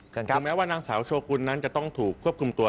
ถึงแม้ว่านางสาวโชกุลนั้นจะต้องถูกควบคุมตัว